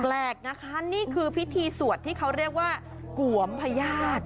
แปลกนะคะนี่คือพิธีสวดที่เขาเรียกว่ากวมพญาติ